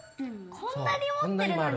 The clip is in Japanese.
こんなに持ってるのに。